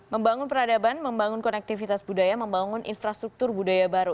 membangun peradaban membangun konektivitas budaya membangun infrastruktur budaya baru